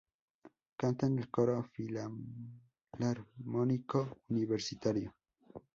Canta en el Coro Filarmónico Universitario.